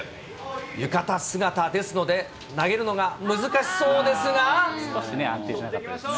浴衣姿ですので、投げるのが難し少し安定しなかったですね。